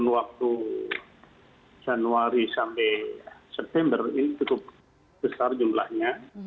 waktu januari sampai september ini cukup besar jumlahnya